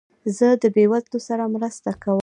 زه د بېوزلو سره مرسته کوم.